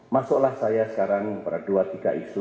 masuklah saya sekarang pada dua tiga isu